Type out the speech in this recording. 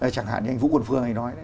chẳng hạn như anh vũ quần phương này nói